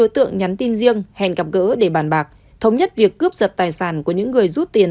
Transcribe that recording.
tin riêng hẹn gặp gỡ để bàn bạc thống nhất việc cướp sật tài sản của những người rút tiền